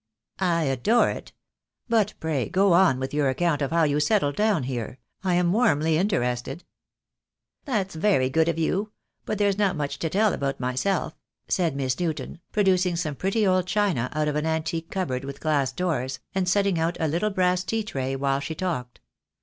"I adore it. But pray go on with your account of how you settled down here. I am warmly interested." "That's very good of you — but there's not much to tell about myself," said Miss Newton, producing some pretty old china out of an antique cupboard with glass doors, and setting out a little brass tea tray while she talked.